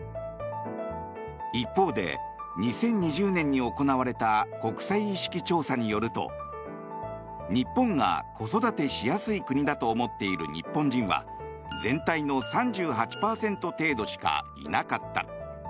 一方で２０２０年に行われた国際意識調査によると日本が子育てしやすい国だと思っている日本人は全体の３８％程度しかいなかった。